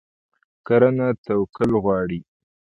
کرنه توکل غواړي.